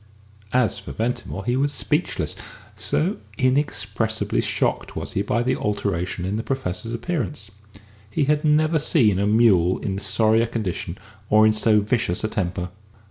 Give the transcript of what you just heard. As for Ventimore, he was speechless so inexpressibly shocked was he by the alteration in the Professor's appearance. He had never seen a mule in sorrier condition or in so vicious a temper.